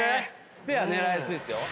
スペア狙いやすいっすよ。